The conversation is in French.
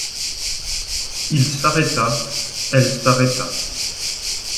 Il s’arrêta, elle s’arrêta.